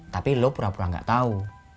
tapi lo pura pura nggak tahu